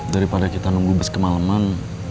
daripada kita nunggu bis kemaleman